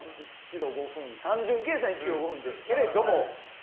単純計算、１ｋｍ５分ですけど。